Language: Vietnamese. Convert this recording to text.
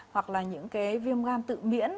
hoặc là những cái viêm gan tự miễn